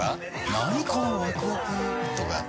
なにこのワクワクとか。